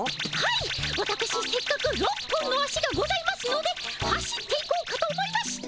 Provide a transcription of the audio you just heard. わたくしせっかく６本の足がございますので走っていこうかと思いまして。